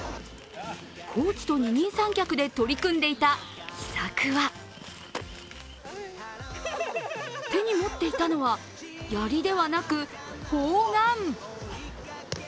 コーチと二人三脚で取り組んでいた秘策は手に持っていたのは、やりではなく、砲丸。